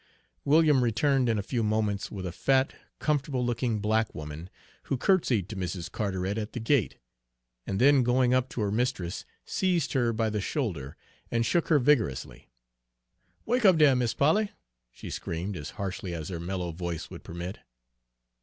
William returned in a few moments with a fat, comfortable looking black woman, who curtsied to Mrs. Carteret at the gate, and then going up to her mistress seized her by the shoulder and shook her vigorously. "Wake up dere, Mis' Polly," she screamed, as harshly as her mellow voice would permit.